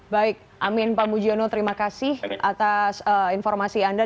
baik amin pak mujiono terima kasih atas informasi anda